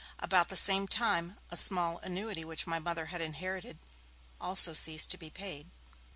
About the same time, a small annuity which my Mother had inherited also ceased to be paid.